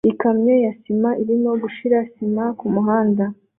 Ikamyo ya sima irimo gushira sima kumuhanda